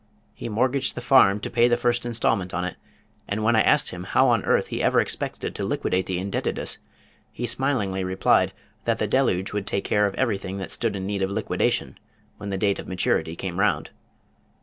He mortgaged the farm to pay the first instalment on it, and when I asked him how on earth he ever expected to liquidate the indebtedness he smilingly replied that the deluge would take care of everything that stood in need of liquidation when the date of maturity came round.